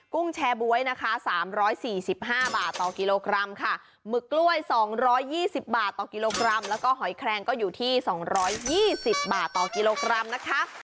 ไข่ไก่เบอร์ศูนย์๕บาทฟอง